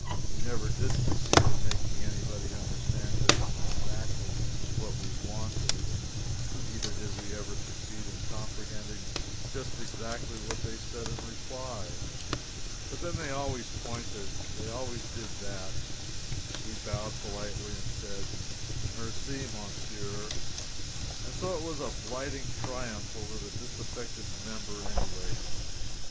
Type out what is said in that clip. We never did succeed in making anybody understand just exactly what we wanted, and neither did we ever succeed in comprehending just exactly what they said in reply, but then they always pointed they always did that and we bowed politely and said, "Merci, monsieur," and so it was a blighting triumph over the disaffected member anyway.